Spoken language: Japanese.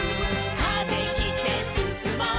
「風切ってすすもう」